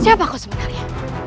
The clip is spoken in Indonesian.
siapa kau sebenarnya